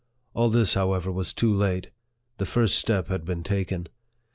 All this, however, was too late. The first step had been taken.